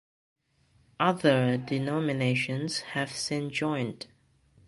Other denominations have since joined.